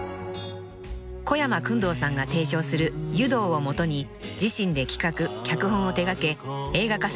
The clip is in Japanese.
［小山薫堂さんが提唱する「湯道」を基に自身で企画脚本を手掛け映画化されました］